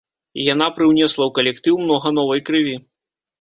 Яна прыўнесла ў калектыў многа новай крыві.